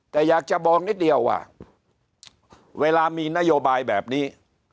แต่อยากจะบอกนิดเดียวว่าเวลามีนโยบายแบบนี้